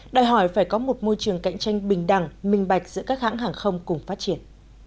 đòi hỏi phải có một môi trường cạnh tranh bình đẳng minh bạch giữa các hãng hàng không cùng phát triển